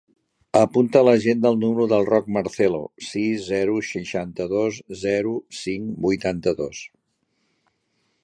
Apunta a l'agenda el número del Roc Marcelo: sis, zero, seixanta-dos, zero, cinc, vuitanta-dos.